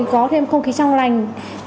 có thêm không khí trong lành